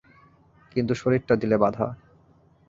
কিন্তু শরীরটা দিলে বাধা।